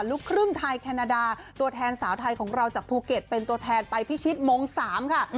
ลูกครึ่งไทยแคนาดาตัวแทนสาวไทยของเราจากภูเก็ตเป็นตัวแทนไปพิชิตมง๓ค่ะ